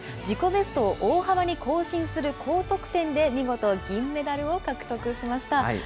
自己ベストを大幅に更新する高得点で見事、銀メダルを獲得しました。